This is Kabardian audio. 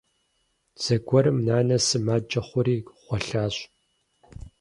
Зэгуэрым нанэ сымаджэ хъури гъуэлъащ.